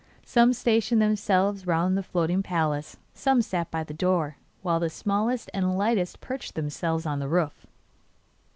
Some stationed themselves round the floating palace, some sat by the door, while the smallest and lightest perched themselves on the roof.